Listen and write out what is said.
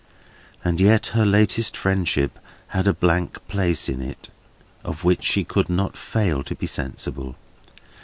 And yet her latest friendship had a blank place in it of which she could not fail to be sensible.